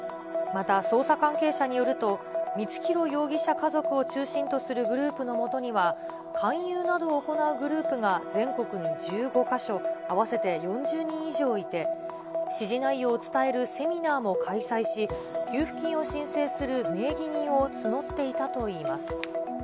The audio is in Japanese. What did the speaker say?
また、捜査関係者によると、光弘容疑者家族を中心とするグループの下には、勧誘などを行うグループが全国に１５か所、合わせて４０人以上いて、指示内容を伝えるセミナーも開催し、給付金を申請する名義人を募っていたといいます。